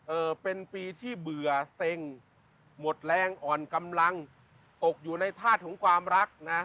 เอ่อเป็นปีที่เบื่อเซ็งหมดแรงอ่อนกำลังตกอยู่ในธาตุของความรักนะ